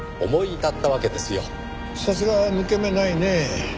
さすが抜け目ないねえ。